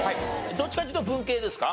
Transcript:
どっちかっていうと文系ですか？